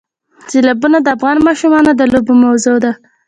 سیلابونه د افغان ماشومانو د لوبو موضوع ده.